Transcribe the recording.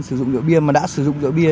sử dụng rượu bia mà đã sử dụng rượu bia